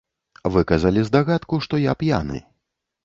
Выказалі здагадку, што я п'яны.